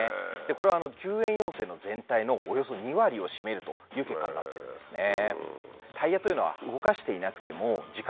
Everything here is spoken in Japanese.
これは救援要請の全体のおよそ２割を占めるという結果になってるんですね。